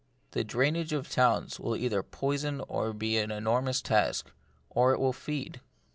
The drainage of towns will either poison or be an enormous tax, or it will feed.